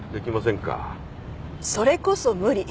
それこそ無理。